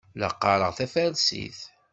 La qqaṛeɣ tafarsit.